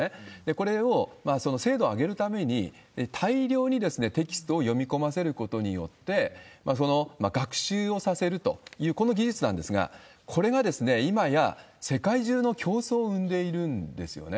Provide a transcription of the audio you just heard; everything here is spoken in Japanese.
これをその精度を上げるために、大量にテキストを読み込ませることによって、その学習をさせるという、この技術なんですが、これが今や世界中の競争を生んでいるんですよね。